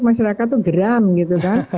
masyarakat itu geram gitu kan